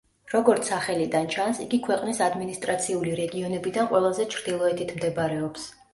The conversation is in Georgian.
როგორც სახელიდან ჩანს, იგი ქვეყნის ადმინისტრაციული რეგიონებიდან ყველაზე ჩრდილოეთით მდებარეობს.